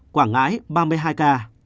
quảng ngãi ba mươi hai ca